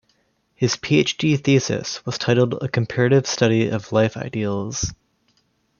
His PhD thesis was titled "A Comparative Study of Life Ideals".